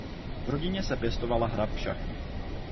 V rodině se pěstovala hra v šachy.